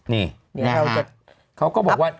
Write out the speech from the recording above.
นี่เขาก็บอกว่า